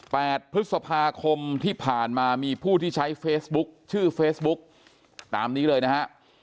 พฤษภาคมที่ผ่านมามีผู้ที่ใช้เฟซบุ๊คชื่อเฟซบุ๊กตามนี้เลยนะฮะ